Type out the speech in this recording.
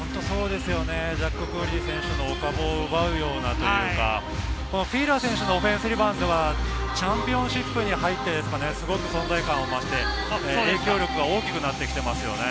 ジャック・クーリー選手のお株を奪うような、フィーラー選手のオフェンスリバウンドはチャンピオンシップに入ってですかね、すごく存在感を増して、影響力が大きくなってきていますよね。